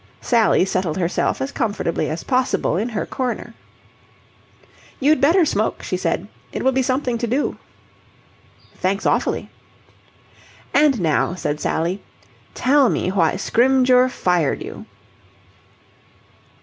Sally settled herself as comfortably as possible in her corner. "You'd better smoke," she said. "It will be something to do." "Thanks awfully." "And now," said Sally, "tell me why Scrymgeour fired you."